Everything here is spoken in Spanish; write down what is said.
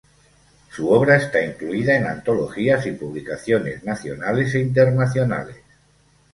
Su obra está incluida en antologías y publicaciones nacionales e internacionales.